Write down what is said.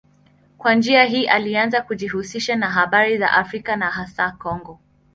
Kwa njia hii alianza kujihusisha na habari za Afrika na hasa Kongo.